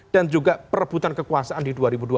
dan juga perebutan kekuasaan di dua ribu dua puluh empat